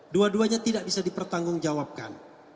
dua duanya tidak bisa dipertanggung jawabkan